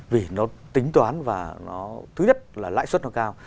vì nó tính toán và nó thứ nhất là lãi suất nó cao